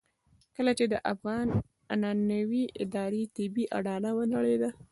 کله چې د افغاني عنعنوي ادارې طبيعي اډانه ونړېده.